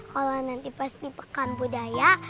kalau nanti pasti pekan budaya